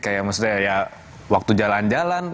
kayak maksudnya ya waktu jalan jalan